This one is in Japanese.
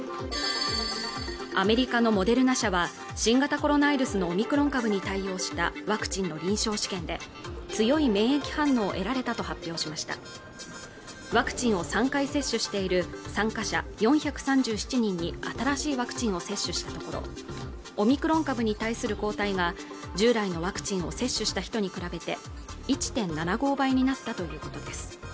アメリカのモデルナ社は新型コロナウイルスのオミクロン株に対応したワクチンの臨床試験で強い免疫反応を得られたと発表しましたワクチンを３回接種している参加者４３７人に新しいワクチンを接種したところオミクロン株に対する抗体が従来のワクチンを接種した人に比べて１．７５倍になったということです